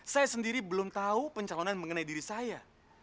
saya sendiri belum tahu pencalonan mengenai diri saya